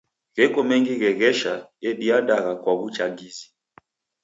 Gheko mengi gheghesha ediandagha kwa w'uchagizi.